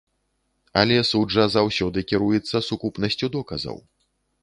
Але суд жа заўсёды кіруецца сукупнасцю доказаў.